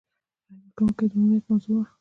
د رایې ورکونې د عمومیت موضوع.